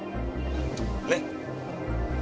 ねっ。